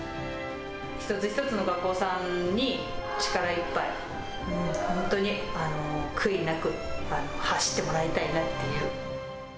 一つ一つの学校さんに、力いっぱい、本当に悔いなく走ってもらいたいなっていう。